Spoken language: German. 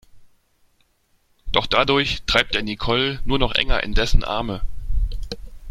Doch dadurch treibt er Nicole nur noch enger in dessen Arme.